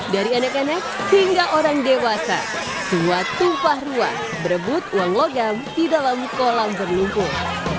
dari anak anak hingga orang dewasa suatu fahruah berebut uang logam di dalam kolam berlumpur